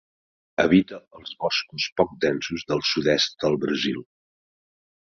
Habita els boscos poc densos del sud-est de Brasil.